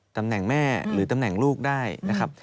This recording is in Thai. ตำแหน่งแม่หรือตำแหน่งลูกได้นะครับ